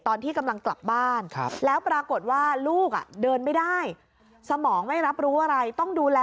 ตอนที่กำลังกลับบ้านแล้วปรากฏว่าลูกเดินไม่ได้สมองไม่รับรู้อะไรต้องดูแล